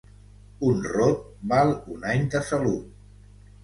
Un rot val un any de salut.